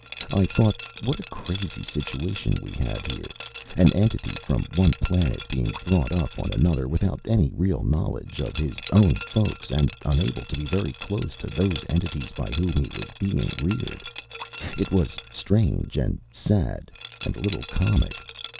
I thought what a crazy situation we had here; an entity from one planet being brought up on another, without any real knowledge of his own folks, and unable to be very close to those entities by whom he was being reared. It was strange and sad and a little comic.